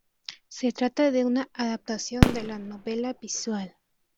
Se trata de una adaptación de la novela visual.